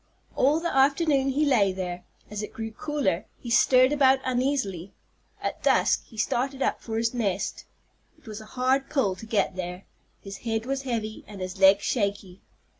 All the afternoon he lay there. As it grew cooler he stirred about uneasily. At dusk he started up for his nest. It was a hard pull to get there. His head was heavy, and his legs shaky.